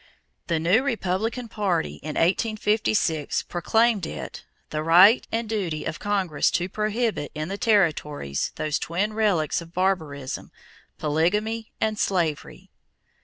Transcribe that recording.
The new Republican party in 1856 proclaimed it "the right and duty of Congress to prohibit in the Territories those twin relics of barbarism, polygamy and slavery."